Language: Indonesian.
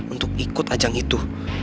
untuk ikut ajang itu